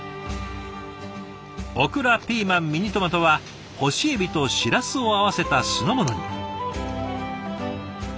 オクラピーマンミニトマトは干しえびとしらすを合わせた酢の物に。